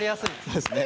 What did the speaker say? そうですね。